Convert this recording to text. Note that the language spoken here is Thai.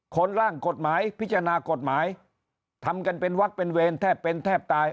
ร่างกฎหมายพิจารณากฎหมายทำกันเป็นวักเป็นเวรแทบเป็นแทบตาย